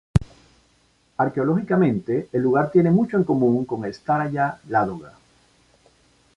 Arqueológicamente, el lugar tiene mucho en común con Stáraya Ládoga.